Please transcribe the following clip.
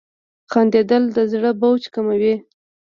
• خندېدل د زړه بوج کموي.